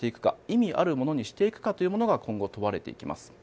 意味あるものにしていくかということが今後、問われていきます。